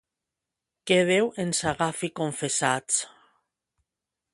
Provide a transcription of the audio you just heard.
que Déu ens agafi confessats!